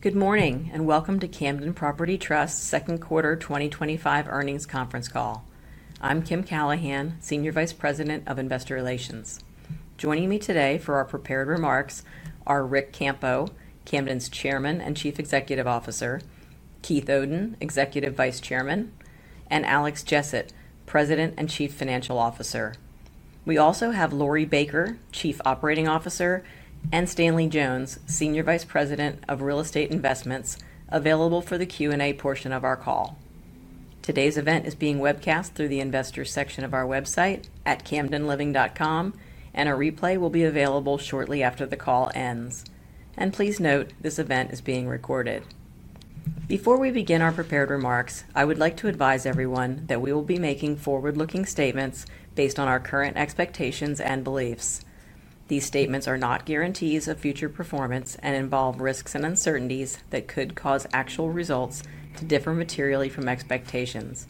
Good morning and welcome to Camden Property Trust's Second Quarter 2025 Earnings Conference Call. I'm Kim Callahan, Senior Vice President of Investor Relations. Joining me today for our prepared remarks are Ric Campo, Camden's Chairman and Chief Executive Officer, Keith Oden, Executive Vice Chairman, and Alex Jessett, President and Chief Financial Officer. We also have Laurie Baker, Chief Operating Officer, and Stanley Jones, Senior Vice President of Real Estate Investments, available for the Q&A portion of our call. Today's event is being webcast through the Investors section of our website at camdenliving.com, and a replay will be available shortly after the call ends. Please note this event is being recorded. Before we begin our prepared remarks, I would like to advise everyone that we will be making forward-looking statements based on our current expectations and beliefs. These statements are not guarantees of future performance and involve risks and uncertainties that could cause actual results to differ materially from expectations.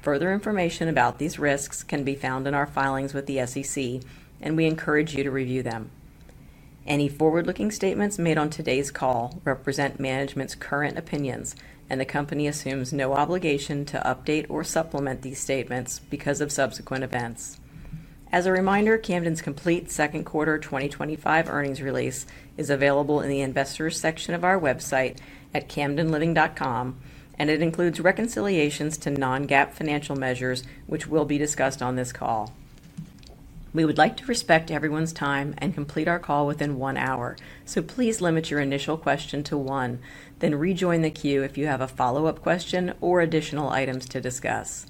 Further information about these risks can be found in our filings with the SEC, and we encourage you to review them. Any forward-looking statements made on today's call represent management's current opinions, and the company assumes no obligation to update or supplement these statements because of subsequent events. As a reminder, Camden's complete second quarter 2025 earnings release is available in the Investors section of our website at camdenliving.com, and it includes reconciliations to non-GAAP financial measures, which will be discussed on this call. We would like to respect everyone's time and complete our call within one hour, so please limit your initial question to one, then rejoin the queue if you have a follow-up question or additional items to discuss.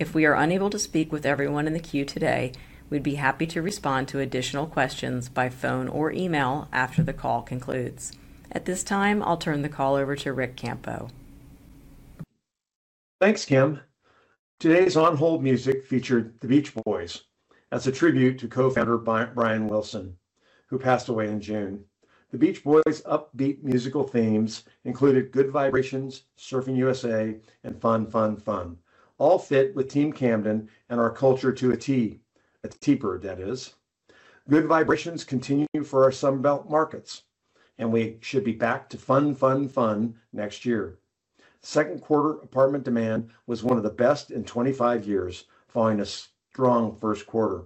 If we are unable to speak with everyone in the queue today, we'd be happy to respond to additional questions by phone or email after the call concludes. At this time, I'll turn the call over to Ric Campo. Thanks, Kim. Today's on-hold music featured The Beach Boys as a tribute to co-founder Brian Wilson, who passed away in June. The Beach Boys' upbeat musical themes included Good Vibrations, Surfin' USA, and Fun, Fun, Fun, all fit with Team Camden and our culture to a tee, a teeper, that is. Good Vibrations continued for our Sunbelt markets, and we should be back to Fun, Fun, Fun next year. Second quarter apartment demand was one of the best in 25 years following a strong first quarter.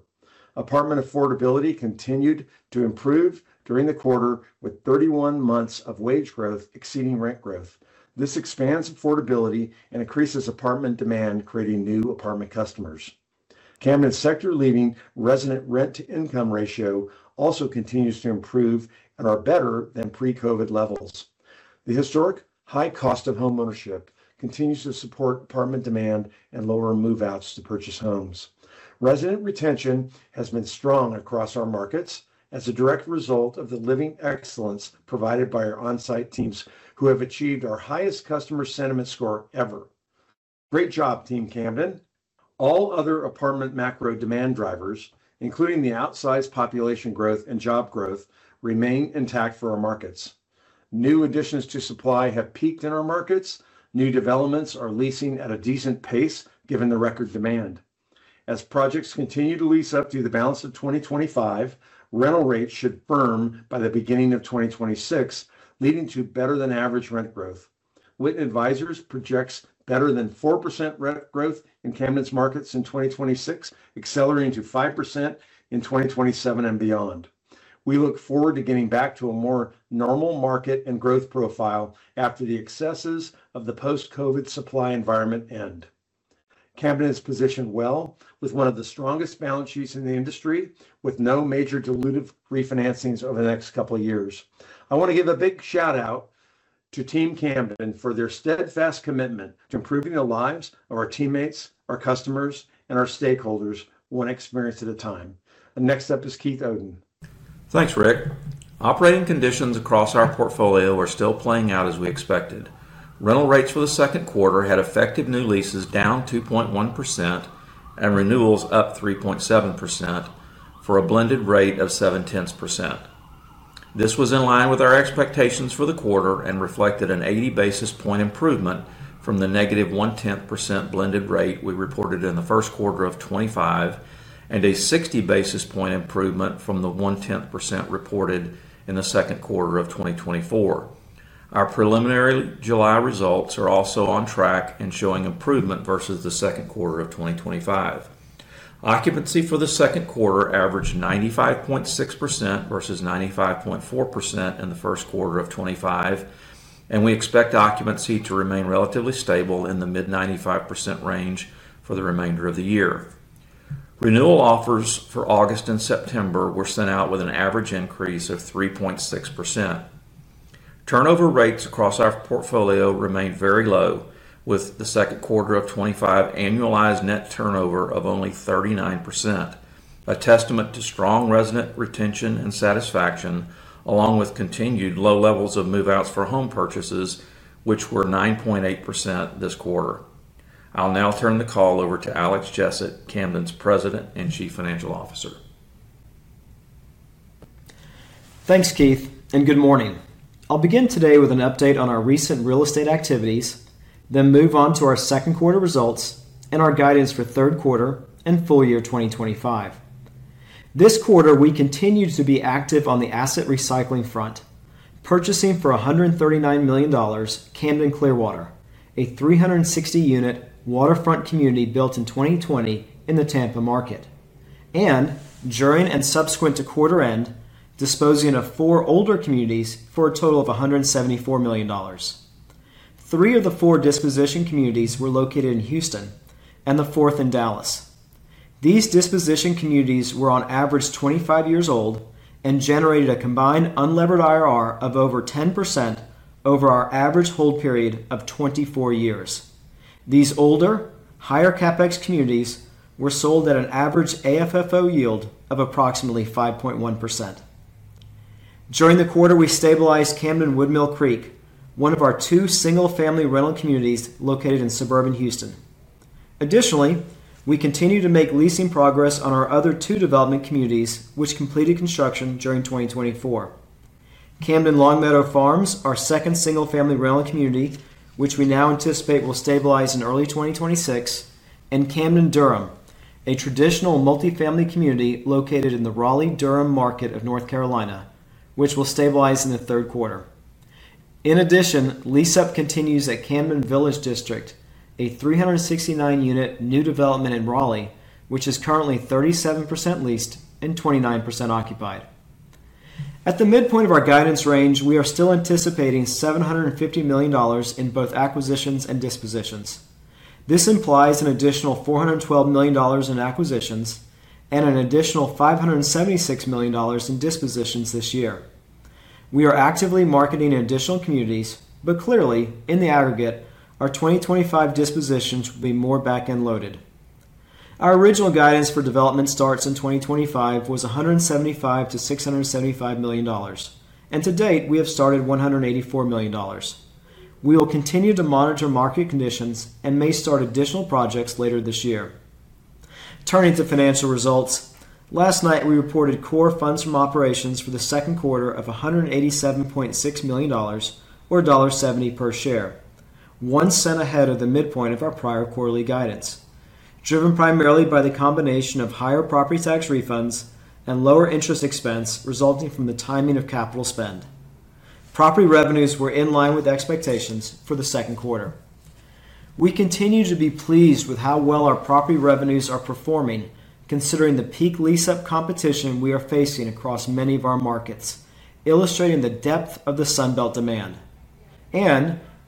Apartment affordability continued to improve during the quarter with 31 months of wage growth exceeding rent growth. This expands affordability and increases apartment demand, creating new apartment customers. Camden's sector-leading resident rent-to-income ratio also continues to improve and is better than pre-COVID levels. The historic high cost of home ownership continues to support apartment demand and lower move-outs to purchase homes. Resident retention has been strong across our markets as a direct result of the living excellence provided by our onsite teams, who have achieved our highest customer sentiment score ever. Great job, Team Camden. All other apartment macro demand drivers, including the outsized population growth and job growth, remain intact for our markets. New additions to supply have peaked in our markets. New developments are leasing at a decent pace, given the record demand. As projects continue to lease up through the balance of 2025, rental rates should firm by the beginning of 2026, leading to better than average rent growth. Witten Advisors projects better than 4% rent growth in Camden's markets in 2026, accelerating to 5% in 2027 and beyond. We look forward to getting back to a more normal market and growth profile after the excesses of the post-COVID supply environment end. Camden is positioned well with one of the strongest balance sheets in the industry, with no major dilutive refinancings over the next couple of years. I want to give a big shout out to Team Camden for their steadfast commitment to improving the lives of our teammates, our customers, and our stakeholders one experience at a time. The next up is Keith Oden. Thanks, Ric. Operating conditions across our portfolio were still playing out as we expected. Rental rates for the second quarter had effective new leases down 2.1% and renewals up 3.7% for a blended rate of 0.7%. This was in line with our expectations for the quarter and reflected an 80 basis point improvement from the negative 0.1% blended rate we reported in the first quarter of 2025, and a 60 basis point improvement from the 0.1% reported in the second quarter of 2024. Our preliminary July results are also on track and showing improvement versus the second quarter of 2025. Occupancy for the second quarter averaged 95.6% versus 95.4% in the first quarter of 2025, and we expect occupancy to remain relatively stable in the mid-95% range for the remainder of the year. Renewal offers for August and September were sent out with an average increase of 3.6%. Turnover rates across our portfolio remain very low, with the second quarter of 2025 annualized net turnover of only 39%, a testament to strong resident retention and satisfaction, along with continued low levels of move-outs for home purchases, which were 9.8% this quarter. I'll now turn the call over to Alex Jessett, Camden's President and Chief Financial Officer. Thanks, Keith, and good morning. I'll begin today with an update on our recent real estate activities, then move on to our second quarter results and our guidance for third quarter and full year 2025. This quarter, we continued to be active on the asset recycling front, purchasing for $139 million Camden Clearwater, a 360-unit waterfront community built in 2020 in the Tampa market, and during and subsequent to quarter end, disposing of four older communities for a total of $174 million. Three of the four disposition communities were located in Houston and the fourth in Dallas. These disposition communities were on average 25 years old and generated a combined unlevered IRR of over 10% over our average hold period of 24 years. These older, higher CapEx communities were sold at an average AFFO yield of approximately 5.1%. During the quarter, we stabilized Camden Woodmill Creek, one of our two single-family rental communities located in suburban Houston. Additionally, we continued to make leasing progress on our other two development communities, which completed construction during 2024: Camden Long Meadow Farms, our second single-family rental community, which we now anticipate will stabilize in early 2026, and Camden Durham, a traditional multifamily community located in the Raleigh-Durham market of North Carolina, which will stabilize in the third quarter. In addition, lease-up continues at Camden Village District, a 369-unit new development in Raleigh, which is currently 37% leased and 29% occupied. At the midpoint of our guidance range, we are still anticipating $750 million in both acquisitions and dispositions. This implies an additional $412 million in acquisitions and an additional $576 million in dispositions this year. We are actively marketing additional communities, but clearly, in the aggregate, our 2025 dispositions will be more back-end loaded. Our original guidance for development starts in 2025 was $175 million to $675 million, and to date, we have started $184 million. We will continue to monitor market conditions and may start additional projects later this year. Turning to financial results, last night we reported core funds from operations for the second quarter of $187.6 million, or $1.70 per share, one cent ahead of the midpoint of our prior quarterly guidance, driven primarily by the combination of higher property tax refunds and lower interest expense resulting from the timing of capital spend. Property revenues were in line with expectations for the second quarter. We continue to be pleased with how well our property revenues are performing, considering the peak lease-up competition we are facing across many of our markets, illustrating the depth of the Sunbelt demand.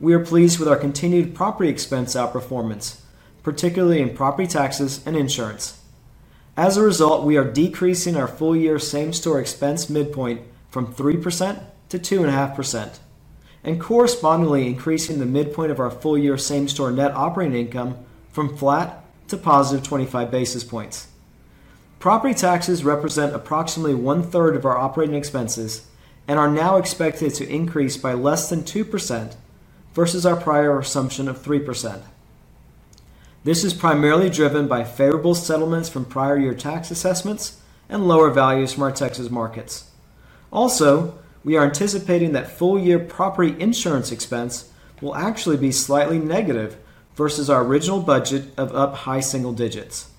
We are pleased with our continued property expense outperformance, particularly in property taxes and insurance. As a result, we are decreasing our full-year same-store expense midpoint from 3% to 2.5% and correspondingly increasing the midpoint of our full-year same-store net operating income from flat to positive 25 basis points. Property taxes represent approximately one-third of our operating expenses and are now expected to increase by less than 2% versus our prior assumption of 3%. This is primarily driven by favorable settlements from prior year tax assessments and lower values from our Texas markets. We are also anticipating that full-year property insurance expense will actually be slightly negative versus our original budget of up high-single digits.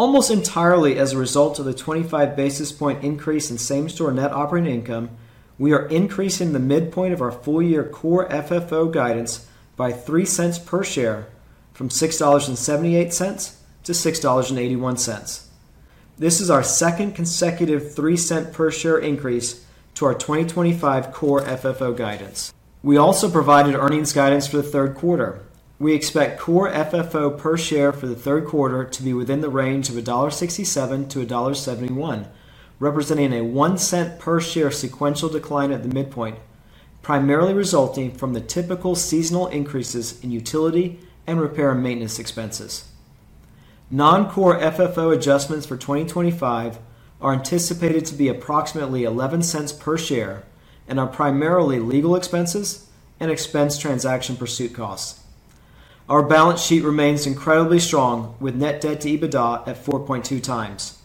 Almost entirely as a result of the 25 basis point increase in same-store net operating income, we are increasing the midpoint of our full-year core FFO guidance by $0.03 per share from $6.78 to $6.81. This is our second consecutive $0.03 per share increase to our 2025 core FFO guidance. We also provided earnings guidance for the third quarter. We expect core FFO per share for the third quarter to be within the range of $1.67 to $1.71, representing a $0.01 per share sequential decline at the midpoint, primarily resulting from the typical seasonal increases in utility and repair and maintenance expenses. Non-core FFO adjustments for 2025 are anticipated to be approximately $0.11 per share and are primarily legal expenses and expense transaction pursuit costs. Our balance sheet remains incredibly strong with net debt to EBITDA at 4.2 times.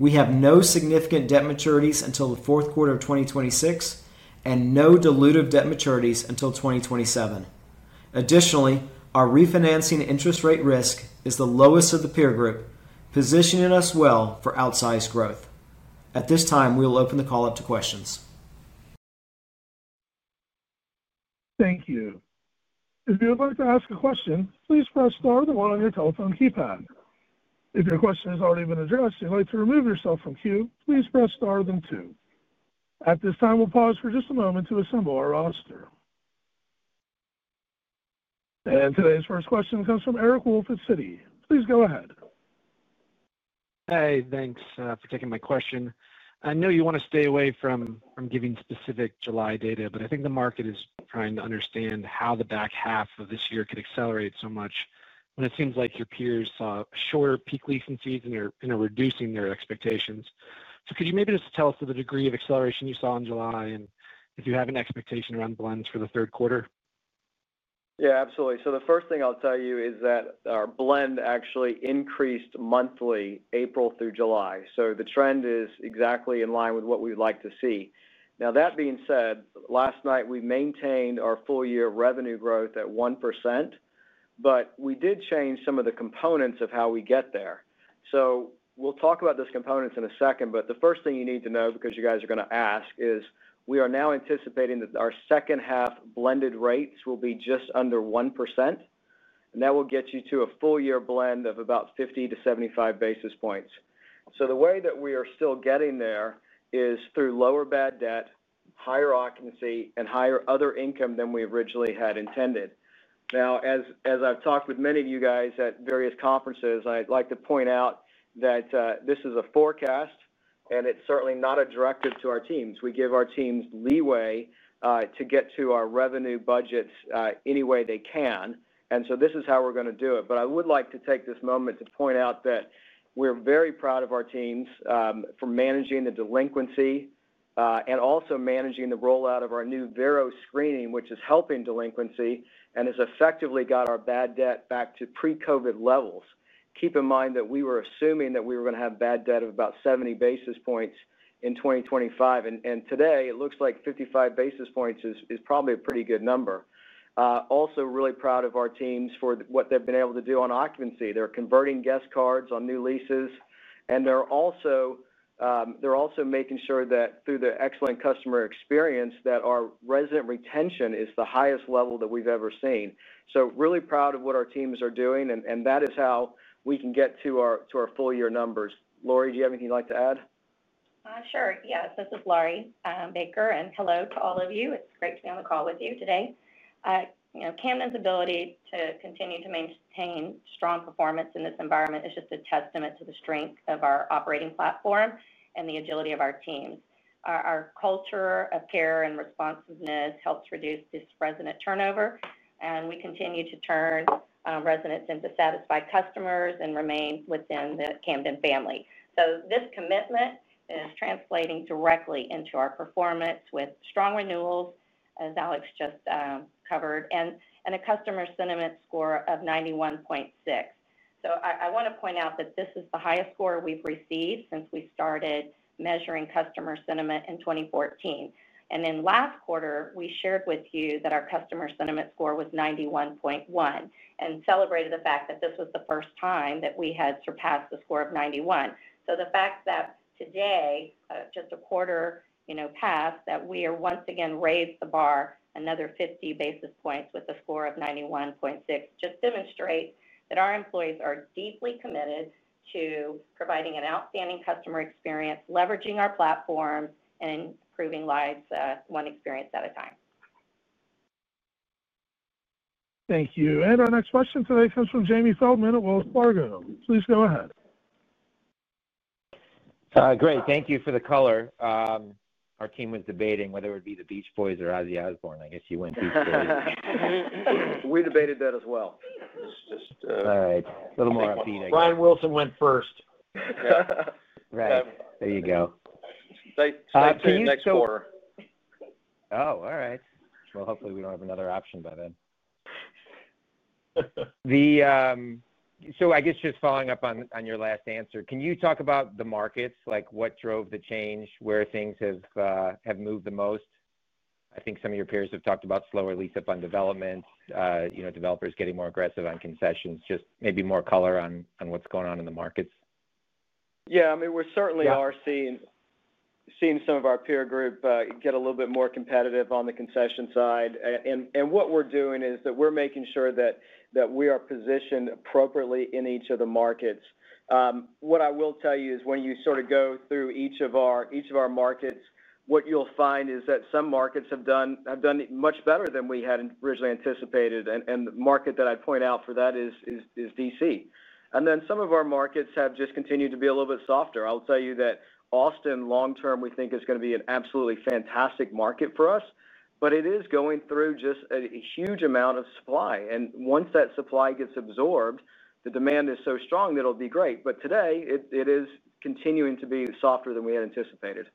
We have no significant debt maturities until the fourth quarter of 2026 and no dilutive debt maturities until 2027. Additionally, our refinancing interest rate risk is the lowest of the peer group, positioning us well for outsized growth. At this time, we will open the call up to questions. Thank you. If you would like to ask a question, please press star one on your telephone keypad. If your question has already been addressed and you'd like to remove yourself from the queue, please press star two. At this time, we'll pause for just a moment to assemble our roster. Today's first question comes from Eric Wolfe at Citi. Please go ahead. Hey, thanks for taking my question. I know you want to stay away from giving specific July data, but I think the market is trying to understand how the back half of this year could accelerate so much when it seems like your peers saw shorter peak leasing fees and are reducing their expectations. Could you maybe just tell us the degree of acceleration you saw in July and if you have an expectation around blends for the third quarter? Yeah, absolutely. The first thing I'll tell you is that our blend actually increased monthly April through July. The trend is exactly in line with what we'd like to see. That being said, last night we maintained our full-year revenue growth at 1%, but we did change some of the components of how we get there. We'll talk about those components in a second, but the first thing you need to know because you guys are going to ask is we are now anticipating that our second half blended rates will be just under 1%, and that will get you to a full-year blend of about 50 to 75 basis points. The way that we are still getting there is through lower bad debt, higher occupancy, and higher other income than we originally had intended. As I've talked with many of you guys at various conferences, I'd like to point out that this is a forecast and it's certainly not a directive to our teams. We give our teams leeway to get to our revenue budgets any way they can. This is how we're going to do it. I would like to take this moment to point out that we're very proud of our teams for managing the delinquency and also managing the rollout of our new VERO screening, which is helping delinquency and has effectively got our bad debt back to pre-COVID levels. Keep in mind that we were assuming that we were going to have bad debt of about 70 basis points in 2025, and today it looks like 55 basis points is probably a pretty good number. Also, really proud of our teams for what they've been able to do on occupancy. They're converting guest cards on new leases, and they're also making sure that through the excellent customer experience that our resident retention is the highest level that we've ever seen. Really proud of what our teams are doing, and that is how we can get to our full-year numbers. Laurie, do you have anything you'd like to add? Sure, yes. This is Laurie Baker, and hello to all of you. It's great to be on the call with you today. You know, Camden's ability to continue to maintain strong performance in this environment is just a testament to the strength of our operating platform and the agility of our teams. Our culture of care and responsiveness helps reduce resident turnover, and we continue to turn residents into satisfied customers and remain within the Camden family. This commitment is translating directly into our performance with strong renewals, as Alex just covered, and a customer sentiment score of 91.6%. I want to point out that this is the highest score we've received since we started measuring customer sentiment in 2014. Last quarter, we shared with you that our customer sentiment score was 91.1% and celebrated the fact that this was the first time that we had surpassed the score of 91%. The fact that today, just a quarter past, we have once again raised the bar another 50 basis points with a score of 91.6% demonstrates that our employees are deeply committed to providing an outstanding customer experience, leveraging our platform, and improving lives one experience at a time. Thank you. Our next question today comes from Jamie Feldman at Wells Fargo. Please go ahead. Great. Thank you for the color. Our team was debating whether it would be the Beach Boys or Ozzy Osbourne. I guess you win Beach Boys. We debated that as well. All right, a little more on Phoenix. Brian Wilson went first. Right. There you go. Say tuned next quarter. All right. Hopefully we don't have another option by then. I guess just following up on your last answer, can you talk about the markets, like what drove the change, where things have moved the most? I think some of your peers have talked about slower lease-up on development, you know, developers getting more aggressive on concessions, just maybe more color on what's going on in the markets. Yeah, I mean, we certainly are seeing some of our peer group get a little bit more competitive on the concession side. What we're doing is that we're making sure that we are positioned appropriately in each of the markets. What I will tell you is when you sort of go through each of our markets, what you'll find is that some markets have done much better than we had originally anticipated. The market that I'd point out for that is DC. Some of our markets have just continued to be a little bit softer. I'll tell you that Austin, long term, we think is going to be an absolutely fantastic market for us. It is going through just a huge amount of supply. Once that supply gets absorbed, the demand is so strong that it'll be great. Today, it is continuing to be softer than we had anticipated.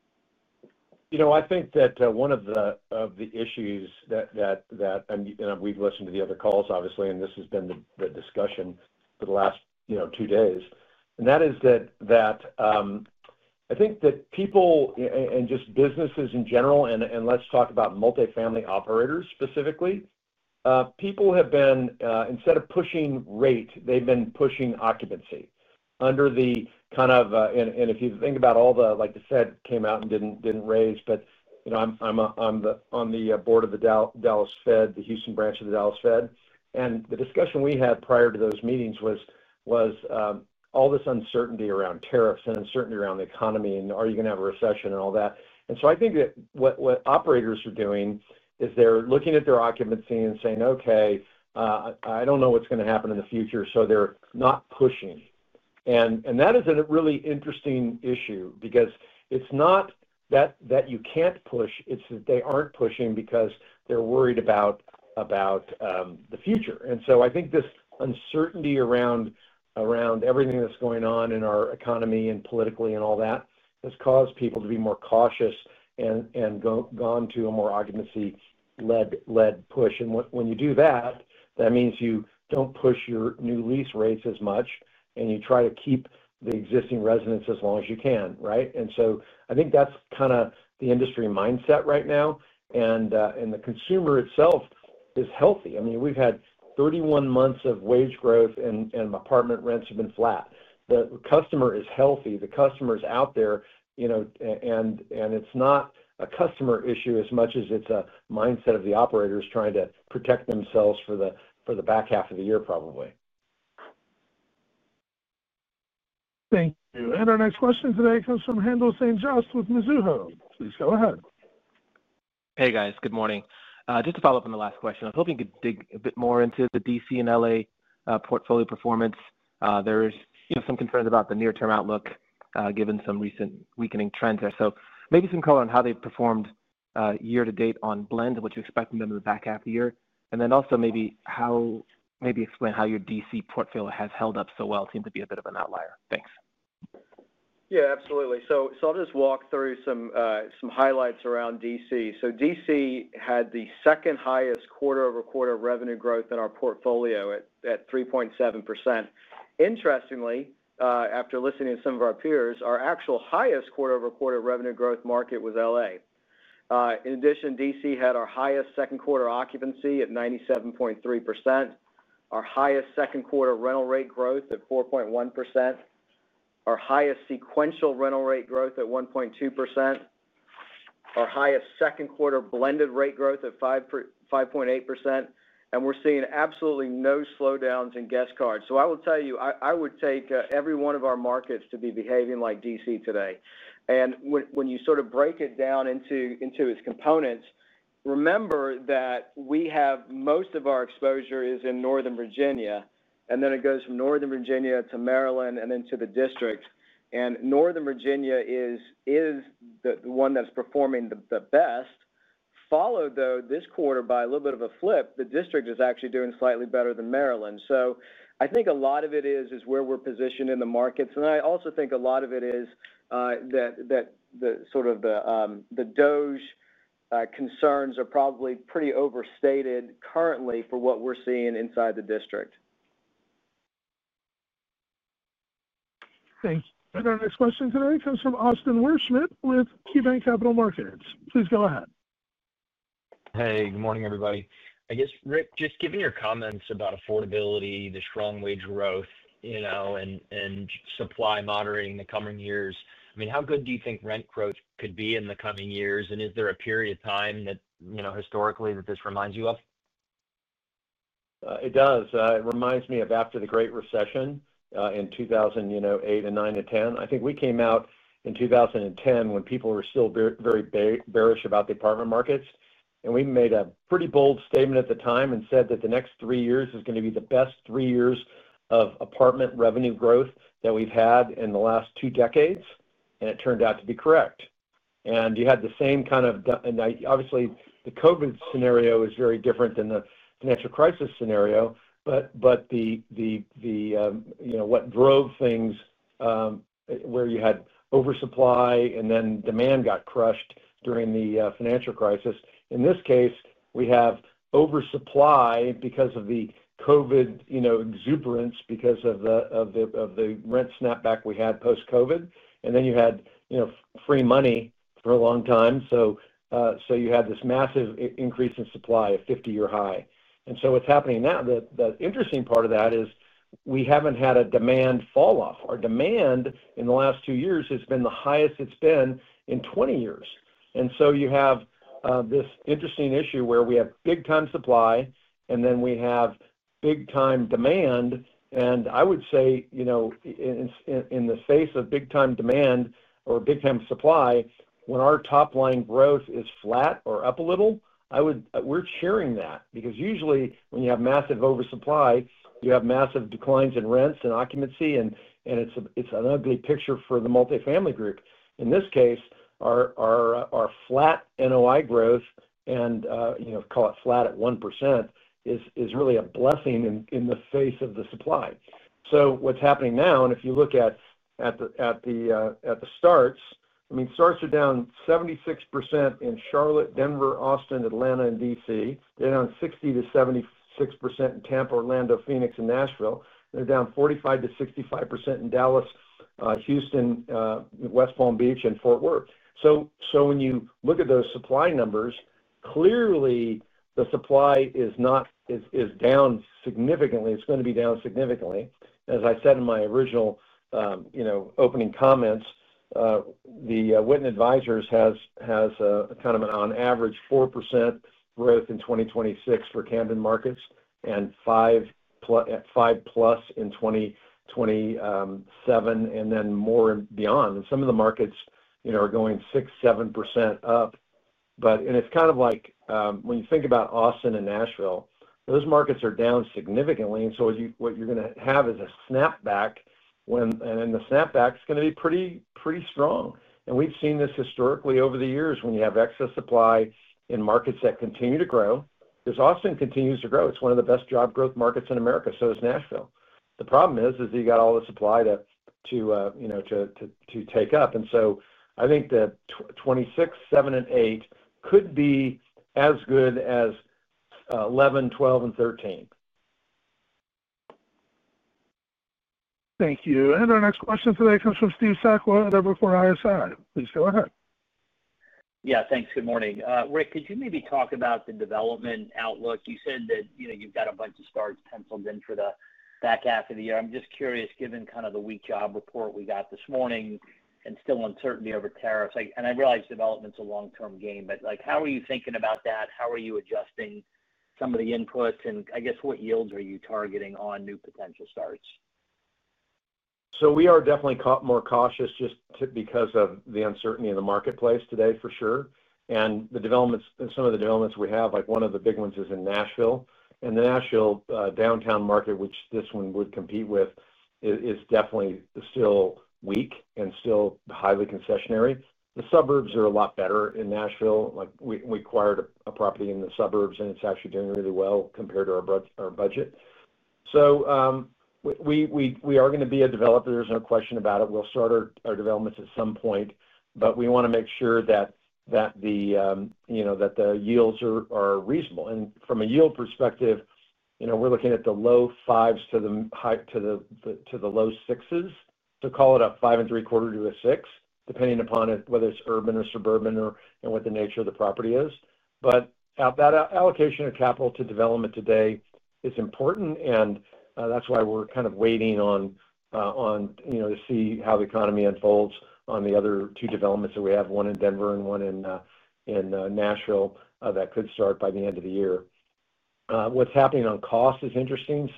You know. I think that one of the issues that, and we've listened to the other calls, obviously, and this has been the discussion for the last two days, is that I think that people and just businesses in general, and let's talk about multifamily operators specifically, people have been, instead of pushing rate, they've been pushing occupancy under the kind of, if you think about all the, like the Fed came out and didn't raise, but you know I'm on the board of the Dallas Fed, the Houston branch of the Dallas Fed. The discussion we had prior to those meetings was all this uncertainty around tariffs and uncertainty around the economy, and are you going to have a recession and all that? I think that what operators are doing is they're looking at their occupancy and saying, "Okay, I don't know what's going to happen in the future." They're not pushing. That is a really interesting issue because it's not that you can't push. It's that they aren't pushing because they're worried about the future. I think this uncertainty around everything that's going on in our economy and politically and all that has caused people to be more cautious and gone to a more occupancy-led push. When you do that, that means you don't push your new lease rates as much, and you try to keep the existing residents as long as you can, right? I think that's kind of the industry mindset right now. The consumer itself is healthy. I mean, we've had 31 months of wage growth and apartment rents have been flat. The customer is healthy. The customer is out there, you know, and it's not a customer issue as much as it's a mindset of the operators trying to protect themselves for the back half of the year, probably. Thank you. Our next question today comes from Haendel St. Juste with Mizuho. Please go ahead. Hey guys, good morning. Just to follow up on the last question, I was hoping you could dig a bit more into the DC and LA portfolio performance. There's some concerns about the near-term outlook given some recent weakening trends there. Maybe some color on how they performed year to date on blend and what you expect from them in the back half of the year. Also, maybe explain how your DC portfolio has held up so well. It seemed to be a bit of an outlier. Thanks. Yeah, absolutely. I'll just walk through some highlights around DC. DC had the second highest quarter-over-quarter revenue growth in our portfolio at 3.7%. Interestingly, after listening to some of our peers, our actual highest quarter-over-quarter revenue growth market was LA. In addition, DC had our highest second quarter occupancy at 97.3%, our highest second quarter rental rate growth at 4.1%, our highest sequential rental rate growth at 1.2%, our highest second quarter blended rate growth at 5.8%, and we're seeing absolutely no slowdowns in guest cards. I will tell you, I would take every one of our markets to be behaving like DC today. When you sort of break it down into its components, remember that we have most of our exposure in Northern Virginia, and then it goes from Northern Virginia to Maryland and into the district. Northern Virginia is the one that's performing the best, followed though this quarter by a little bit of a flip. The district is actually doing slightly better than Maryland. I think a lot of it is where we're positioned in the markets. I also think a lot of it is that the sort of the DOJ concerns are probably pretty overstated currently for what we're seeing inside the district. Thank you. Our next question today comes from Austin Wurschmidt with KeyBanc Capital Markets. Please go ahead. Hey, good morning everybody. I guess, Ric, just given your comments about affordability, the strong wage growth, you know, and supply moderating the coming years, how good do you think rent growth could be in the coming years? Is there a period of time that, you know, historically that this reminds you of? It does. It reminds me of after the Great Recession in 2008, 2009, and 2010. I think we came out in 2010 when people were still very bearish about the apartment markets. We made a pretty bold statement at the time and said that the next three years is going to be the best three years of apartment revenue growth that we've had in the last two decades. It turned out to be correct. You had the same kind of, and obviously the COVID scenario is very different than the financial crisis scenario. What drove things where you had oversupply and then demand got crushed during the financial crisis. In this case, we have oversupply because of the COVID exuberance because of the rent snapback we had post-COVID. You had free money for a long time. You had this massive increase in supply of 50-year high. What's happening now, the interesting part of that is we haven't had a demand fall off. Our demand in the last two years has been the highest it's been in 20 years. You have this interesting issue where we have big-time supply and then we have big-time demand. I would say, in the face of big-time demand or big-time supply, when our top line growth is flat or up a little, we're cheering that because usually when you have massive oversupply, you have massive declines in rents and occupancy, and it's an ugly picture for the multifamily group. In this case, our flat NOI growth, and call it flat at 1%, is really a blessing in the face of the supply. What's happening now, and if you look at the starts, I mean, starts are down 76% in Charlotte, Denver, Austin, Atlanta, and DC. They're down 60% to 76% in Tampa, Orlando, Phoenix, and Nashville. They're down 45% to 65% in Dallas, Houston, West Palm Beach, and Fort Worth. When you look at those supply numbers, clearly the supply is not down significantly. It's going to be down significantly. As I said in my original opening comments, Witten Advisors has kind of an on average 4% growth in 2026 for Camden markets and 5% plus in 2027 and then more beyond. Some of the markets are going 6%, 7% up. It's kind of like when you think about Austin and Nashville, those markets are down significantly. What you're going to have is a snapback, and the snapback is going to be pretty strong. We have seen this historically over the years when you have excess supply in markets that continue to grow, because Austin continues to grow. It's one of the best job growth markets in America, so is Nashville. The problem is that you got all the supply to take up. I think 2026, 2027, and 2028 could be as good as 2011, 2012, and 2013. Thank you. Our next question today comes from Steve Sakwa at Evercore ISI. Please go ahead. Yeah, thanks. Good morning. Ric, could you maybe talk about the development outlook? You said that you've got a bunch of starts penciled in for the back half of the year. I'm just curious, given kind of the weak job report we got this morning and still uncertainty over tariffs. I realize development's a long-term game, but how are you thinking about that? How are you adjusting some of the inputs? I guess what yields are you targeting on new potential starts? We are definitely more cautious just because of the uncertainty in the marketplace today for sure. Some of the developments we have, like one of the big ones is in Nashville. The Nashville downtown market, which this one would compete with, is definitely still weak and still highly concessionary. The suburbs are a lot better in Nashville. We acquired a property in the suburbs, and it's actually doing really well compared to our budget. We are going to be a developer, there's no question about it. We'll start our developments at some point, but we want to make sure that the yields are reasonable. From a yield perspective, we're looking at the low fives to the low sixes. Call it a 5.75% to a 6%, depending upon whether it's urban or suburban and what the nature of the property is. That allocation of capital to development today is important, and that's why we're kind of waiting to see how the economy unfolds on the other two developments that we have, one in Denver and one in Nashville, that could start by the end of the year. What's happening on cost is interesting.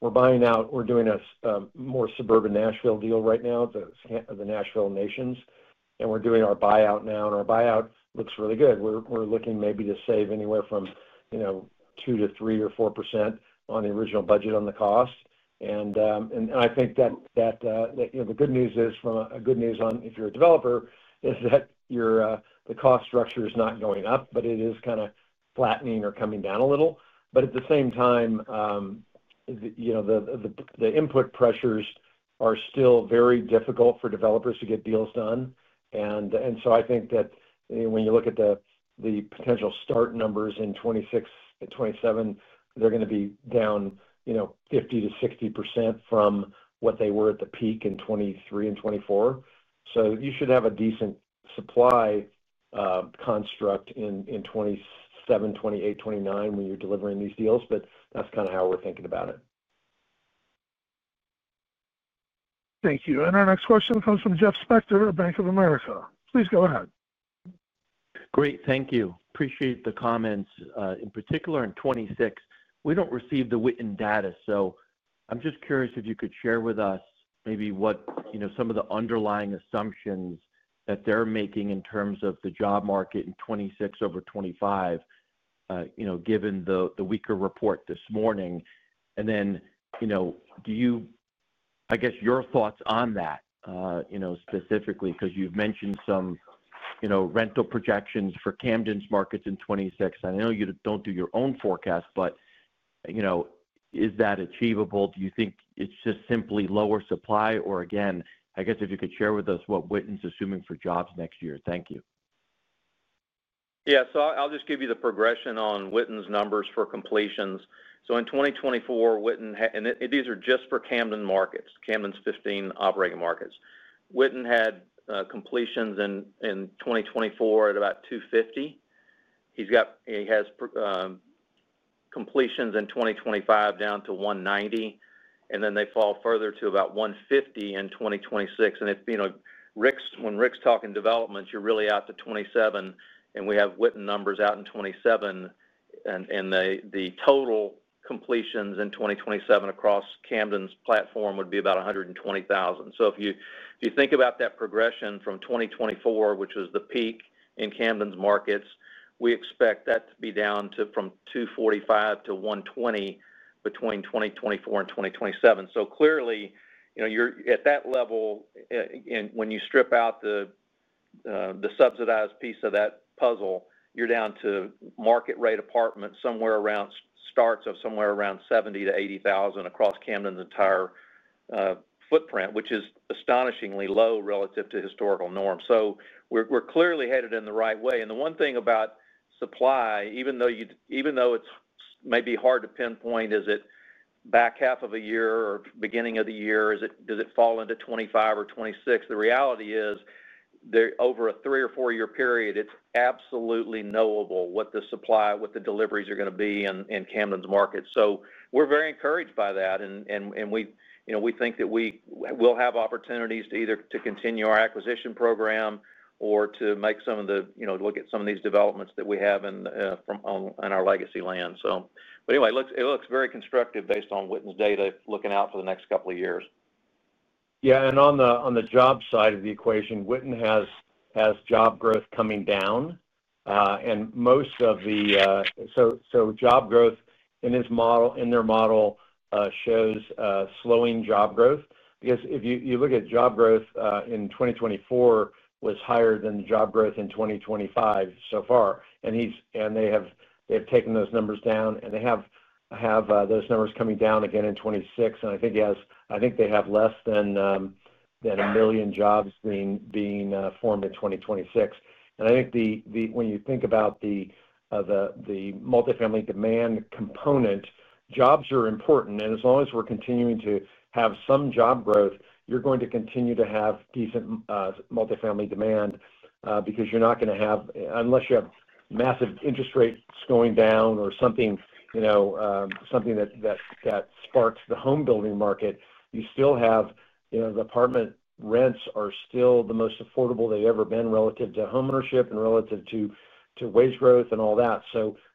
We're buying out, we're doing a more suburban Nashville deal right now, the Nashville Nations, and we're doing our buyout now, and our buyout looks really good. We're looking maybe to save anywhere from 2% to 3% or 4% on the original budget on the cost. The good news if you're a developer is that your cost structure is not going up, but it is kind of flattening or coming down a little. At the same time, the input pressures are still very difficult for developers to get deals done. When you look at the potential start numbers in 2026 and 2027, they're going to be down 50% to 60% from what they were at the peak in 2023 and 2024. You should have a decent supply construct in 2027, 2028, 2029 when you're delivering these deals, but that's kind of how we're thinking about it. Thank you. Our next question comes from Jeff Spector at Bank of America. Please go ahead. Great, thank you. Appreciate the comments. In particular, in 2026, we don't receive the Witten data. I'm just curious if you could share with us maybe what some of the underlying assumptions that they're making in terms of the job market in 2026 over 2025, given the weaker report this morning. Do you, I guess, your thoughts on that, specifically, because you've mentioned some rental projections for Camden's markets in 2026. I know you don't do your own forecast, but is that achievable? Do you think it's just simply lower supply? If you could share with us what Witten's assuming for jobs next year. Thank you. Yeah, so I'll just give you the progression on Witten's numbers for completions. In 2024, Witten, and these are just for Camden markets, Camden's 15 operating markets, Witten had completions in 2024 at about 250. He's got, he has completions in 2025 down to 190, and then they fall further to about 150 in 2026. If, you know, when Ric's talking developments, you're really out to 2027, and we have Witten numbers out in 2027, and the total completions in 2027 across Camden's platform would be about 120,000. If you think about that progression from 2024, which was the peak in Camden's markets, we expect that to be down from 245 to 120 between 2024 and 2027. Clearly, you know, you're at that level, and when you strip out the subsidized piece of that puzzle, you're down to market-rate apartments somewhere around starts of somewhere around 70,000 to 80,000 across Camden's entire footprint, which is astonishingly low relative to historical norms. We're clearly headed in the right way. The one thing about supply, even though it's maybe hard to pinpoint, is it back half of a year or beginning of the year? Does it fall into 2025 or 2026? The reality is that over a three or four-year period, it's absolutely knowable what the supply, what the deliveries are going to be in Camden's market. We're very encouraged by that. We think that we will have opportunities to either continue our acquisition program or to make some of the, you know, look at some of these developments that we have in our legacy land. It looks very constructive based on Witten's data looking out for the next couple of years. Yeah. On the job side of the equation, Witten has job growth coming down. Most of the, so job growth in his model, in their model, shows slowing job growth. If you look at job growth in 2024, it was higher than the job growth in 2025 so far. They have taken those numbers down. They have those numbers coming down again in 2026. I think they have less than a million jobs being formed in 2026. I think when you think about the multifamily demand component, jobs are important. As long as we're continuing to have some job growth, you're going to continue to have decent multifamily demand because you're not going to have, unless you have massive interest rates going down or something that sparks the home building market, you still have the apartment rents are still the most affordable they've ever been relative to homeownership and relative to wage growth and all that.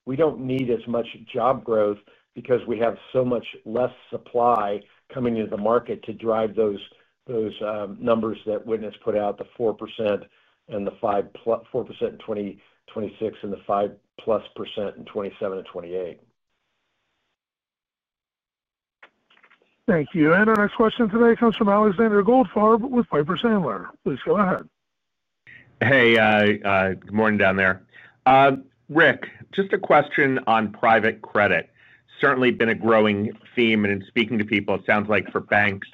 We don't need as much job growth because we have so much less supply coming into the market to drive those numbers that Witten has put out, the 4% and the 5% in 2026 and the 5% plus in 2027 and 2028. Thank you. Our next question today comes from Alexander Goldfarb with Piper Sandler. Please go ahead. Hey, good morning down there. Ric, just a question on private credit. Certainly been a growing theme. In speaking to people, it sounds like for banks,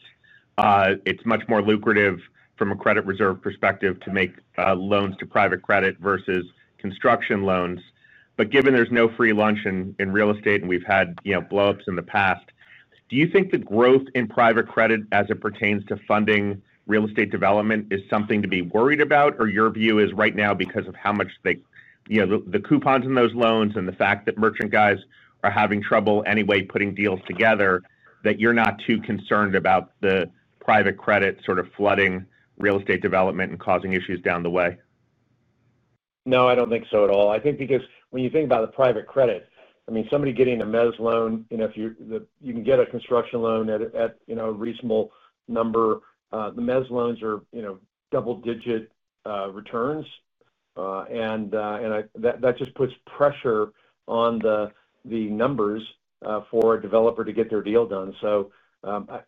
it's much more lucrative from a credit reserve perspective to make loans to private credit versus construction loans. Given there's no free lunch in real estate and we've had blow-ups in the past, do you think the growth in private credit as it pertains to funding real estate development is something to be worried about? Your view is right now because of how much they, you know, the coupons in those loans and the fact that merchant guys are having trouble anyway putting deals together, that you're not too concerned about the private credit sort of flooding real estate development and causing issues down the way? No, I don't think so at all. I think because when you think about the private credit, I mean, somebody getting a mezz loan, you know, if you can get a construction loan at a reasonable number, the mezz loans are, you know, double-digit returns. That just puts pressure on the numbers for a developer to get their deal done.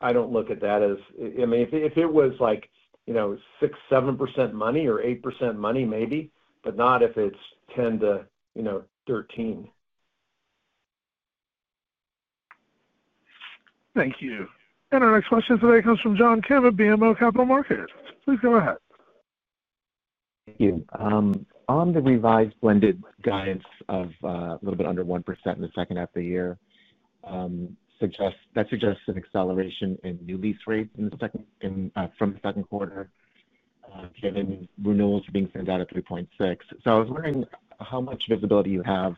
I don't look at that as, I mean, if it was like, you know, 6%, 7% money or 8% money maybe, but not if it's 10% to, you know, 13%. Thank you. Our next question today comes from John Kim at BMO Capital Markets. Please go ahead. Thank you. On the revised blended guidance of a little bit under 1% in the second half of the year, that suggests an acceleration in new lease rates from the second quarter, given renewals being sent out at 3.6%. I was wondering how much visibility you have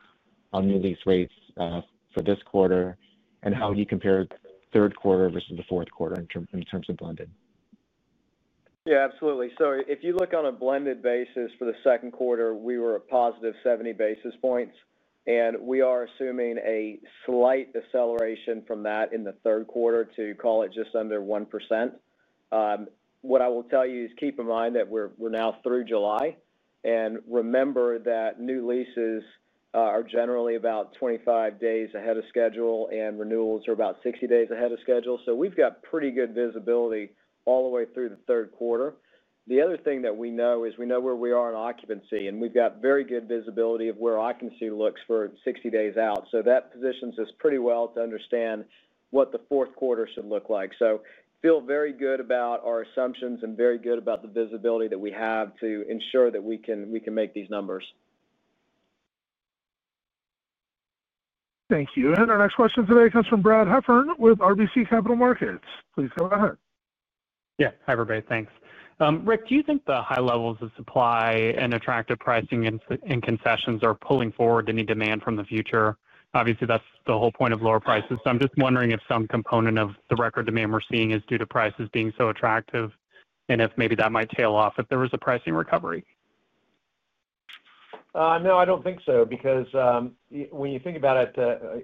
on new lease rates for this quarter and how you compare the third quarter versus the fourth quarter in terms of blending. Yeah, absolutely. If you look on a blended basis for the second quarter, we were a positive 70 basis points. We are assuming a slight acceleration from that in the third quarter to call it just under 1%. What I will tell you is keep in mind that we're now through July. Remember that new leases are generally about 25 days ahead of schedule and renewals are about 60 days ahead of schedule. We've got pretty good visibility all the way through the third quarter. The other thing that we know is we know where we are in occupancy, and we've got very good visibility of where occupancy looks for 60 days out. That positions us pretty well to understand what the fourth quarter should look like. I feel very good about our assumptions and very good about the visibility that we have to ensure that we can make these numbers. Thank you. Our next question today comes from Brad Heffern with RBC Capital Markets. Please go ahead. Yeah, hi everybody, thanks. Ric, do you think the high levels of supply and attractive pricing in concessions are pulling forward any demand from the future? Obviously, that's the whole point of lower prices. I'm just wondering if some component of the record demand we're seeing is due to prices being so attractive, and if maybe that might tail off if there was a pricing recovery. No, I don't think so because when you think about it,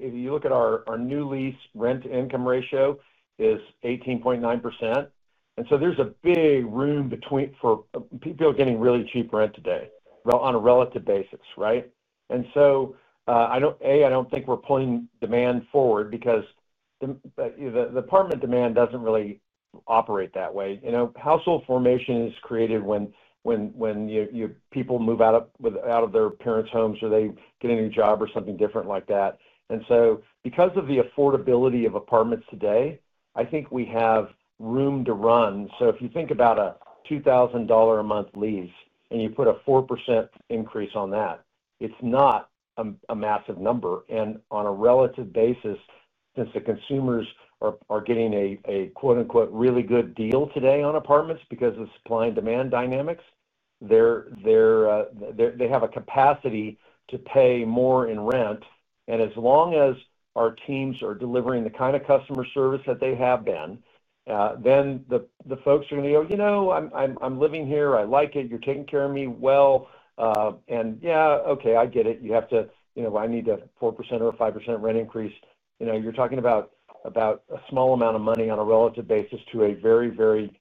if you look at our new lease rent-to-income ratio, it's 18.9%. There's a big room for people getting really cheap rent today on a relative basis, right? I don't, A, I don't think we're pulling demand forward because the apartment demand doesn't really operate that way. Household formation is created when people move out of their parents' homes or they get a new job or something different like that. Because of the affordability of apartments today, I think we have room to run. If you think about a $2,000 a month lease and you put a 4% increase on that, it's not a massive number. On a relative basis, since the consumers are getting a quote-unquote really good deal today on apartments because of supply and demand dynamics, they have a capacity to pay more in rent. As long as our teams are delivering the kind of customer service that they have been, the folks are going to go, you know, I'm living here, I like it, you're taking care of me well. Yeah, okay, I get it. You have to, you know, I need a 4% or a 5% rent increase. You're talking about a small amount of money on a relative basis to a very, very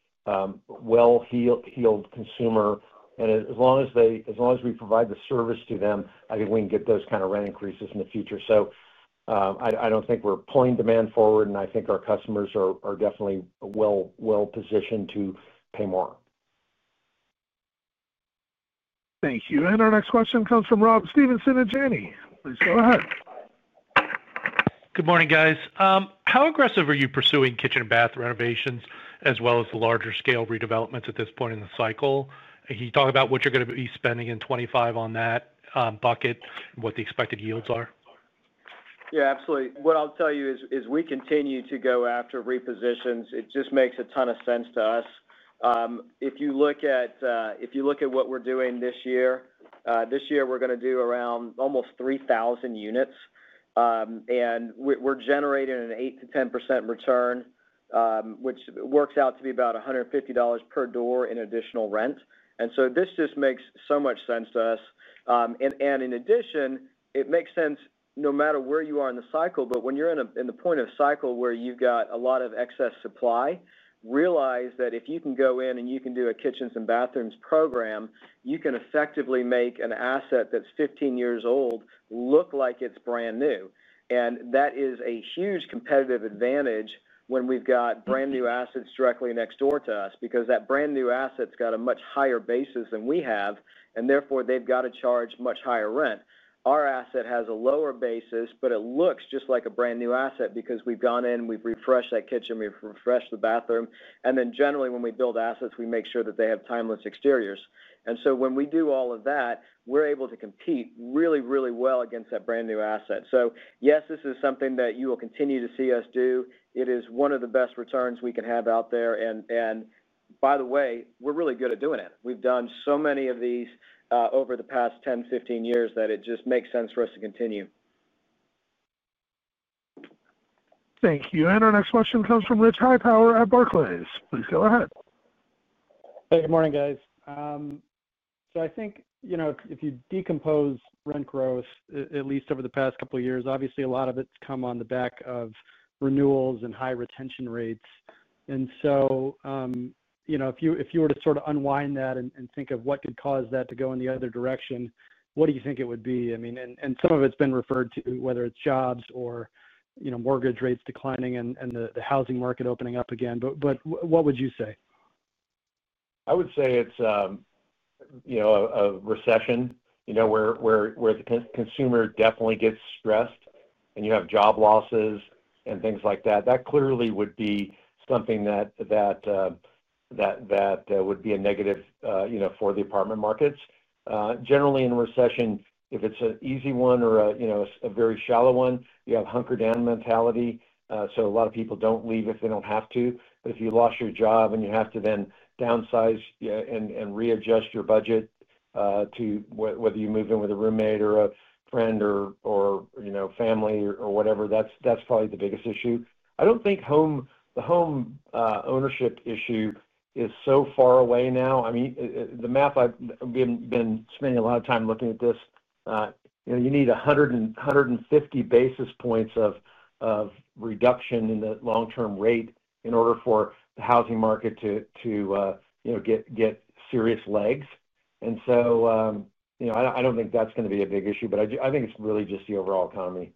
well-heeled consumer. As long as we provide the service to them, I think we can get those kind of rent increases in the future. I don't think we're pulling demand forward and I think our customers are definitely well-positioned to pay more. Thank you. Our next question comes from Rob Stevenson at Janney. Please go ahead. Good morning, guys. How aggressive are you pursuing kitchen and bath renovations as well as the larger scale redevelopments at this point in the cycle? Can you talk about what you're going to be spending in 2025 on that bucket and what the expected yields are? Yeah, absolutely. What I'll tell you is we continue to go after repositions. It just makes a ton of sense to us. If you look at what we're doing this year, this year we're going to do around almost 3,000 units. We're generating an 8% to 10% return, which works out to be about $150 per door in additional rent. This just makes so much sense to us. In addition, it makes sense no matter where you are in the cycle, but when you're in the point of the cycle where you've got a lot of excess supply, realize that if you can go in and you can do a kitchens and bathrooms program, you can effectively make an asset that's 15 years old look like it's brand new. That is a huge competitive advantage when we've got brand new assets directly next door to us because that brand new asset's got a much higher basis than we have, and therefore they've got to charge much higher rent. Our asset has a lower basis, but it looks just like a brand new asset because we've gone in, we've refreshed that kitchen, we've refreshed the bathroom. Generally, when we build assets, we make sure that they have timeless exteriors. When we do all of that, we're able to compete really, really well against that brand new asset. Yes, this is something that you will continue to see us do. It is one of the best returns we can have out there. By the way, we're really good at doing it. We've done so many of these over the past 10, 15 years that it just makes sense for us to continue. Thank you. Our next question comes from Rich Hightower at Barclays. Please go ahead. Good morning, guys. I think if you decompose rent growth at least over the past couple of years, obviously a lot of it's come on the back of renewals and high retention rates. If you were to sort of unwind that and think of what could cause that to go in the other direction, what do you think it would be? Some of it's been referred to, whether it's jobs or mortgage rates declining and the housing market opening up again. What would you say? I would say it's, you know, a recession where the consumer definitely gets stressed and you have job losses and things like that. That clearly would be something that would be a negative for the apartment markets. Generally in a recession, if it's an easy one or a very shallow one, you have hunkered down mentality. A lot of people don't leave if they don't have to. If you lost your job and you have to then downsize and readjust your budget to whether you move in with a roommate or a friend or, you know, family or whatever, that's probably the biggest issue. I don't think the home ownership issue is so far away now. I mean, the math, I've been spending a lot of time looking at this, you know, you need 100 to 150 basis points of reduction in the long-term rate in order for the housing market to get serious legs. I don't think that's going to be a big issue, but I think it's really just the overall economy.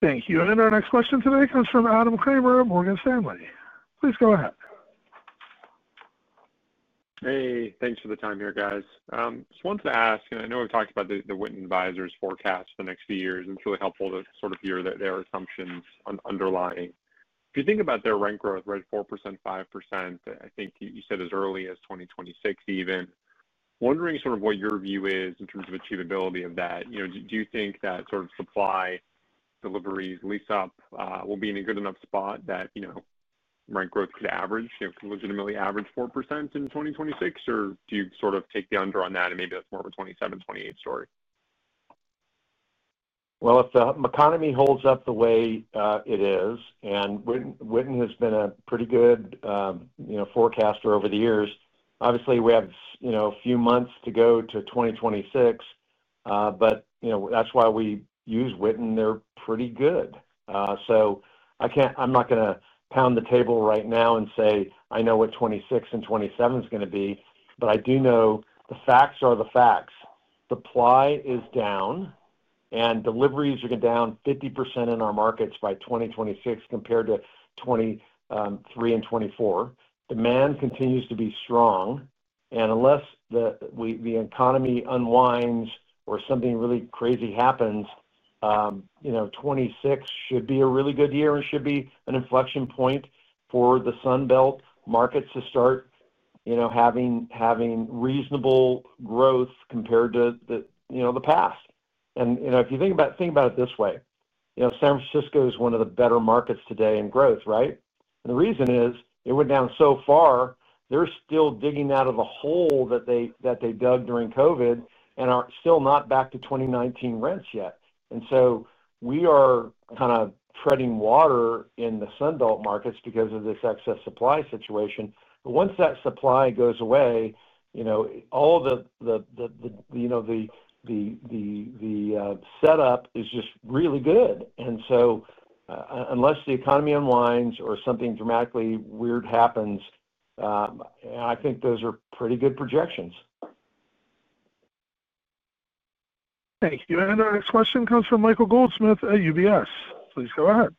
Thank you. Our next question today comes from Adam Kramer at Morgan Stanley. Please go ahead. Hey, thanks for the time here, guys. I just wanted to ask, and I know we've talked about the Witten Advisors forecast for the next few years, and it's really helpful to sort of hear their assumptions on underlying. If you think about their rent growth, right, 4%, 5%, I think you said as early as 2026 even. Wondering sort of what your view is in terms of achievability of that. Do you think that sort of supply, deliveries, lease-up will be in a good enough spot that rent growth could average, you know, could legitimately average 4% in 2026, or do you sort of take the under on that and maybe that's more of a 2027, 2028 story? If the economy holds up the way it is, and Witten Advisors has been a pretty good forecaster over the years, obviously we have a few months to go to 2026. That's why we use Witten Advisors. They're pretty good. I can't, I'm not going to pound the table right now and say I know what 2026 and 2027 is going to be, but I do know the facts are the facts. Supply is down and deliveries are going to go down 50% in our markets by 2026 compared to 2023 and 2024. Demand continues to be strong. Unless the economy unwinds or something really crazy happens, 2026 should be a really good year and should be an inflection point for the Sunbelt markets to start having reasonable growth compared to the past. If you think about it this way, San Francisco is one of the better markets today in growth, right? The reason is it went down so far, they're still digging out of the hole that they dug during COVID and are still not back to 2019 rents yet. We are kind of treading water in the Sunbelt markets because of this excess supply situation. Once that supply goes away, all of the setup is just really good. Unless the economy unwinds or something dramatically weird happens, I think those are pretty good projections. Thank you. Our next question comes from Michael Goldsmith at UBS. Please go ahead.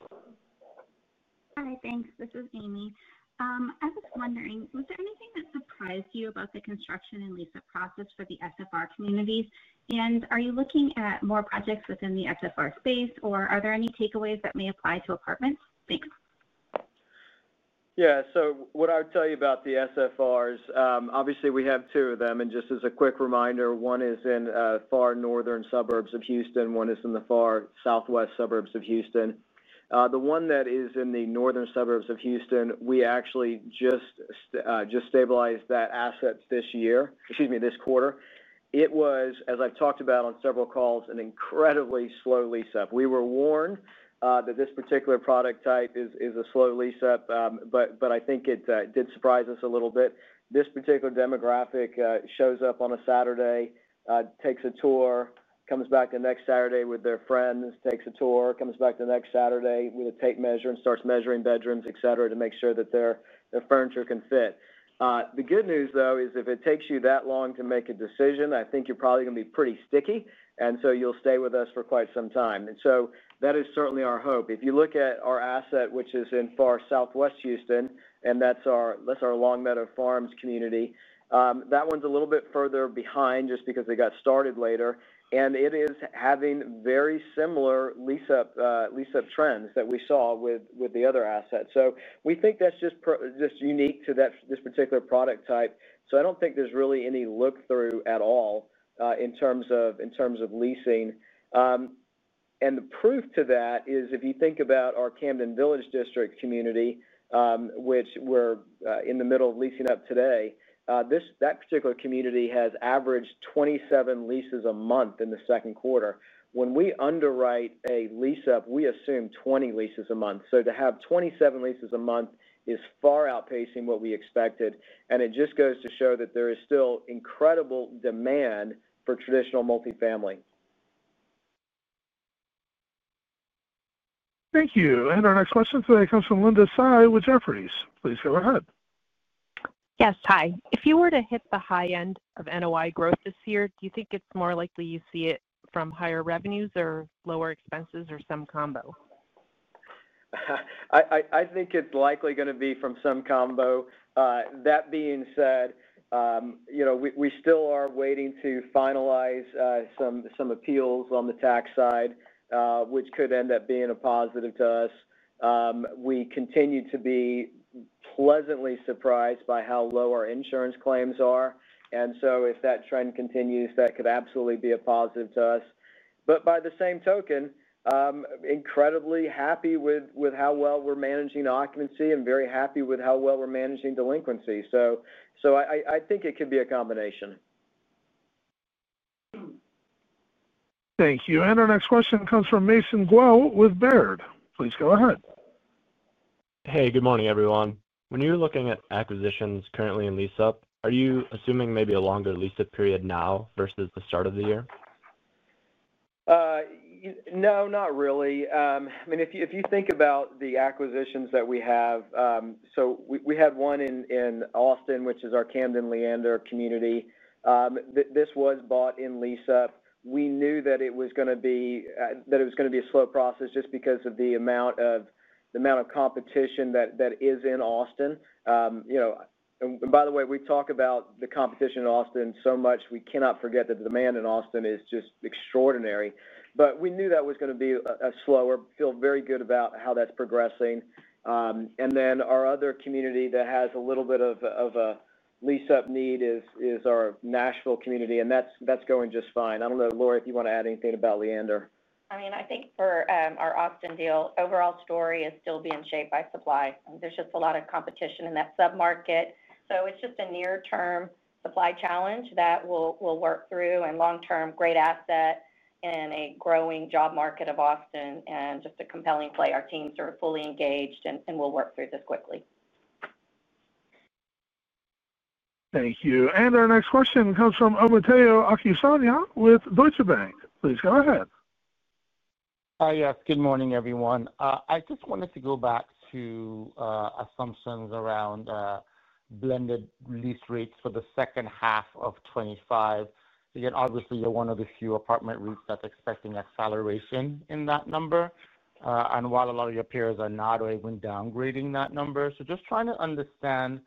Hi, thanks. This is Amy. I was wondering, was there anything that surprised you about the construction and lease-up process for the SFR communities? Are you looking at more projects within the SFR space, or are there any takeaways that may apply to apartments? Thanks. Yeah, so what I would tell you about the SFRs, obviously we have two of them. Just as a quick reminder, one is in far northern suburbs of Houston. One is in the far southwest suburbs of Houston. The one that is in the northern suburbs of Houston, we actually just stabilized that asset this year, excuse me, this quarter. It was, as I've talked about on several calls, an incredibly slow lease-up. We were warned that this particular product type is a slow lease-up, but I think it did surprise us a little bit. This particular demographic shows up on a Saturday, takes a tour, comes back the next Saturday with their friends, takes a tour, comes back the next Saturday with a tape measure and starts measuring bedrooms, etc., to make sure that their furniture can fit. The good news though is if it takes you that long to make a decision, I think you're probably going to be pretty sticky. You'll stay with us for quite some time. That is certainly our hope. If you look at our asset, which is in far southwest Houston, and that's our Long Meadow Farms community, that one's a little bit further behind just because they got started later. It is having very similar lease-up trends that we saw with the other assets. We think that's just unique to this particular product type. I don't think there's really any look-through at all in terms of leasing. The proof to that is if you think about our Camden Village District community, which we're in the middle of leasing up today, that particular community has averaged 27 leases a month in the second quarter. When we underwrite a lease-up, we assume 20 leases a month. To have 27 leases a month is far outpacing what we expected. It just goes to show that there is still incredible demand for traditional multifamily. Thank you. Our next question today comes from Linda Tsai with Jefferies. Please go ahead. Yes, hi. If you were to hit the high end of NOI growth this year, do you think it's more likely you see it from higher revenues, lower expenses, or some combo? I think it's likely going to be from some combo. That being said, we still are waiting to finalize some appeals on the tax side, which could end up being a positive to us. We continue to be pleasantly surprised by how low our insurance claims are. If that trend continues, that could absolutely be a positive to us. By the same token, incredibly happy with how well we're managing occupancy and very happy with how well we're managing delinquency. I think it could be a combination. Thank you. Our next question comes from Mason Guo with Baird. Please go ahead. Hey, good morning everyone. When you're looking at acquisitions currently in lease-up, are you assuming maybe a longer lease-up period now versus the start of the year? No, not really. I mean, if you think about the acquisitions that we have, we have one in Austin, which is our Camden Leander community. This was bought in lease-up. We knew that it was going to be a slow process just because of the amount of competition that is in Austin. By the way, we talk about the competition in Austin so much, we cannot forget that the demand in Austin is just extraordinary. We knew that was going to be slower. Feel very good about how that's progressing. Our other community that has a little bit of a lease-up need is our Nashville community, and that's going just fine. I don't know, Laurie, if you want to add anything about Leander. I mean, I think for our Austin deal, the overall story is still being shaped by supply. There's just a lot of competition in that submarket. It's just a near-term supply challenge that we'll work through and long-term great asset in a growing job market of Austin and just a compelling play. Our teams are fully engaged and we'll work through this quickly. Thank you. Our next question comes from Amadeo Akhisanyak with Deutsche Bank. Please go ahead. Hi, yes, good morning everyone. I just wanted to go back to assumptions around blended lease rates for the second half of 2025. Obviously, you're one of the few apartment REITs that's expecting acceleration in that number, while a lot of your peers are not or even downgrading that number. I'm just trying to understand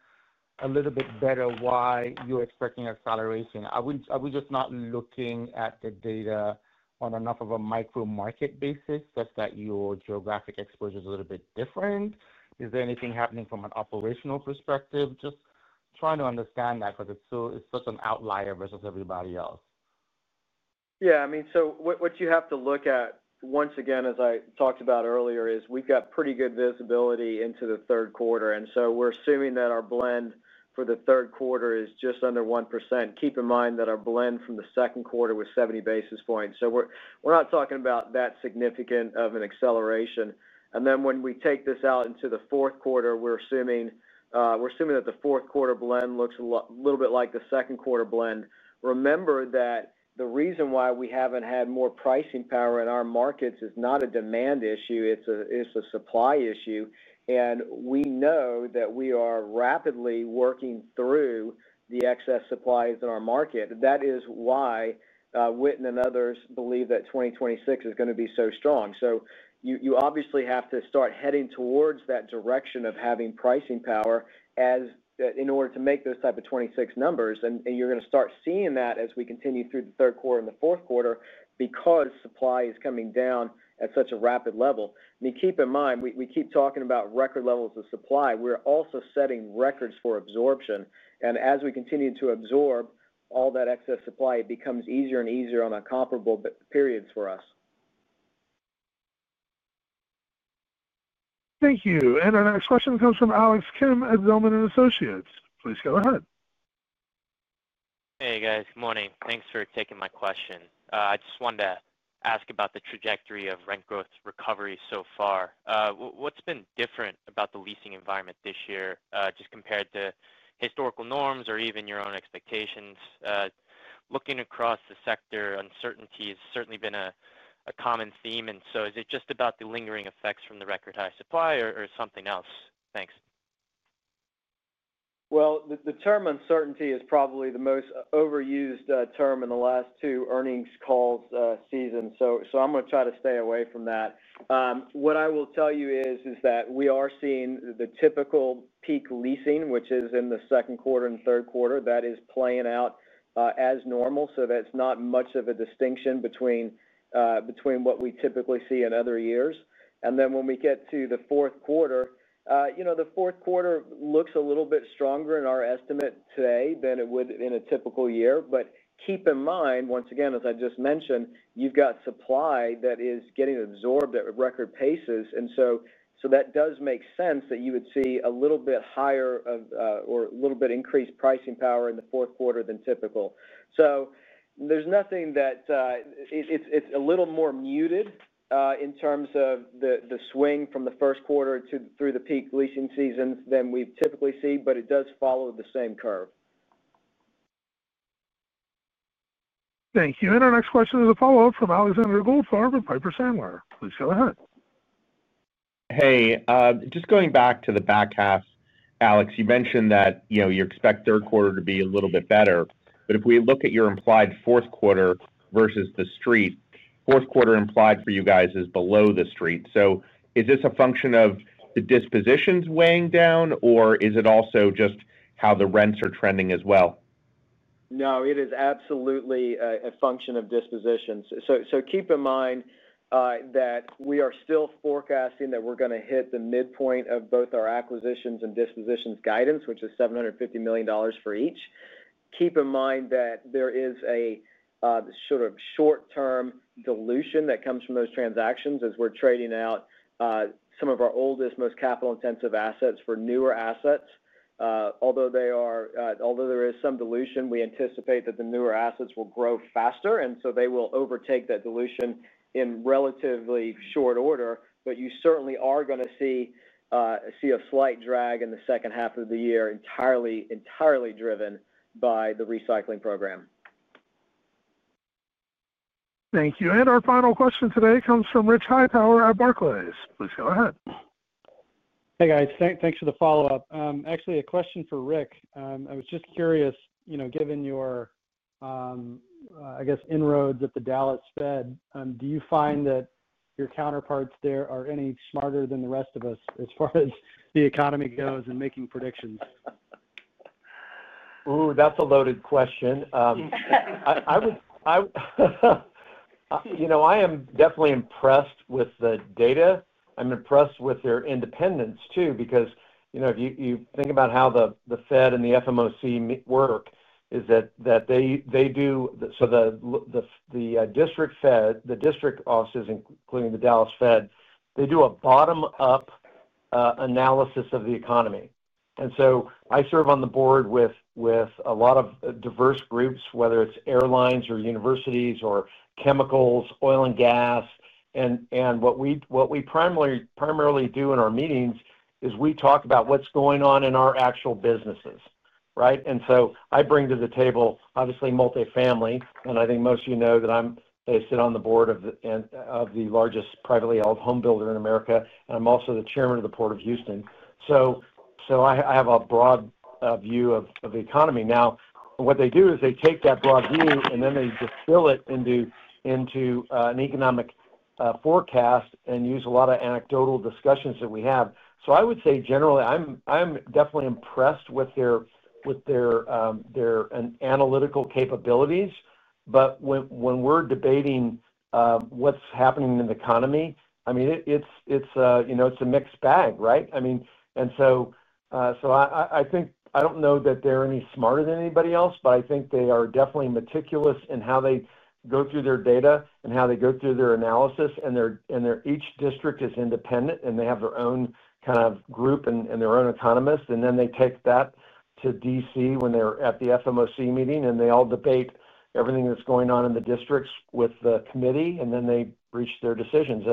a little bit better why you're expecting acceleration. Are we just not looking at the data on enough of a micro market basis such that your geographic exposure is a little bit different? Is there anything happening from an operational perspective? I'm just trying to understand that because it's such an outlier versus everybody else. Yeah, I mean, what you have to look at once again, as I talked about earlier, is we've got pretty good visibility into the third quarter. We're assuming that our blend for the third quarter is just under 1%. Keep in mind that our blend from the second quarter was 70 basis points. We're not talking about that significant of an acceleration. When we take this out into the fourth quarter, we're assuming that the fourth quarter blend looks a little bit like the second quarter blend. Remember that the reason why we haven't had more pricing power in our markets is not a demand issue. It's a supply issue. We know that we are rapidly working through the excess supplies in our market. That is why Witten and others believe that 2026 is going to be so strong. You obviously have to start heading towards that direction of having pricing power in order to make those type of 2026 numbers. You're going to start seeing that as we continue through the third quarter and the fourth quarter because supply is coming down at such a rapid level. Keep in mind, we keep talking about record levels of supply. We're also setting records for absorption. As we continue to absorb all that excess supply, it becomes easier and easier on our comparable periods for us. Thank you. Our next question comes from Alex Kim at Zelman & Associates. Please go ahead. Hey guys, good morning. Thanks for taking my question. I just wanted to ask about the trajectory of rent growth recovery so far. What's been different about the leasing environment this year just compared to historical norms or even your own expectations? Looking across the sector, uncertainty has certainly been a common theme. Is it just about the lingering effects from the record high supply or something else? Thanks. The term uncertainty is probably the most overused term in the last two earnings calls season. I'm going to try to stay away from that. What I will tell you is that we are seeing the typical peak leasing, which is in the second quarter and third quarter. That is playing out as normal. That's not much of a distinction between what we typically see in other years. When we get to the fourth quarter, the fourth quarter looks a little bit stronger in our estimate today than it would in a typical year. Keep in mind, once again, as I just mentioned, you've got supply that is getting absorbed at record paces. That does make sense that you would see a little bit higher or a little bit increased pricing power in the fourth quarter than typical. There's nothing that it's a little more muted in terms of the swing from the first quarter through the peak leasing seasons than we typically see, but it does follow the same curve. Thank you. Our next question is a follow-up from Alexander Goldfarb with Piper Sandler. Please go ahead. Hey, just going back to the back half, Alex, you mentioned that you expect third quarter to be a little bit better. If we look at your implied fourth quarter versus the street, fourth quarter implied for you guys is below the street. Is this a function of the dispositions weighing down, or is it also just how the rents are trending as well? No, it is absolutely a function of dispositions. Keep in mind that we are still forecasting that we're going to hit the midpoint of both our acquisitions and dispositions guidance, which is $750 million for each. Keep in mind that there is a sort of short-term dilution that comes from those transactions as we're trading out some of our oldest, most capital-intensive assets for newer assets. Although there is some dilution, we anticipate that the newer assets will grow faster. They will overtake that dilution in relatively short order. You certainly are going to see a slight drag in the second half of the year entirely driven by the recycling program. Thank you. Our final question today comes from Rich Hightower at Barclays. Please go ahead. Hey guys, thanks for the follow-up. Actually, a question for Ric. I was just curious, given your, I guess, inroads at the Dallas Fed, do you find that your counterparts there are any smarter than the rest of us as far as the economy goes and making predictions? That's a loaded question. I am definitely impressed with the data. I'm impressed with their independence too, because if you think about how the Fed and the FOMC work, the district Fed, the district offices, including the Dallas Fed, do a bottom-up analysis of the economy. I serve on the board with a lot of diverse groups, whether it's airlines or universities or chemicals, oil and gas. What we primarily do in our meetings is talk about what's going on in our actual businesses, right? I bring to the table, obviously, multifamily. I think most of you know that I sit on the board of the largest privately held home builder in America. I'm also the Chairman of the Port of Houston. I have a broad view of the economy. What they do is take that broad view and then distill it into an economic forecast and use a lot of anecdotal discussions that we have. I would say generally, I'm definitely impressed with their analytical capabilities. When we're debating what's happening in the economy, it's a mixed bag, right? I don't know that they're any smarter than anybody else, but I think they are definitely meticulous in how they go through their data and how they go through their analysis. Each district is independent and they have their own kind of group and their own economist. They take that to D.C. when they're at the FOMC meeting and they all debate everything that's going on in the districts with the committee and then they reach their decisions.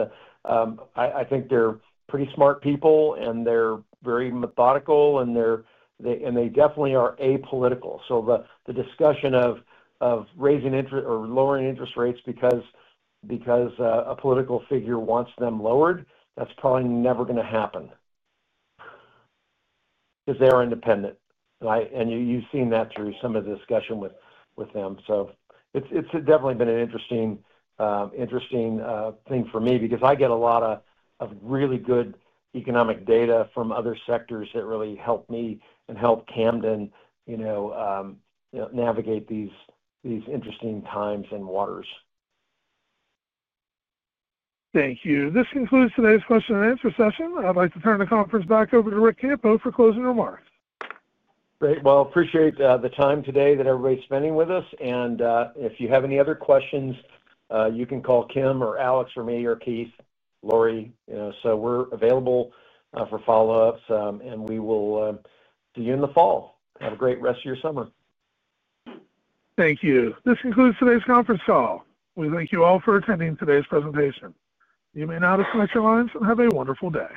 I think they're pretty smart people and they're very methodical and they definitely are apolitical. The discussion of raising interest or lowering interest rates because a political figure wants them lowered, that's probably never going to happen because they are independent. You've seen that through some of the discussion with them. It's definitely been an interesting thing for me because I get a lot of really good economic data from other sectors that really help me and help Camden navigate these interesting times and waters. Thank you. This concludes today's question and answer session. I'd like to turn the conference back over to Ric Campo for closing remarks. Great. I appreciate the time today that everybody's spending with us. If you have any other questions, you can call Kim or Alex or me or Keith or Laurie. We're available for follow-ups and we will see you in the fall. Have a great rest of your summer. Thank you. This concludes today's conference call. We thank you all for attending today's presentation. You may now disconnect your lines and have a wonderful day.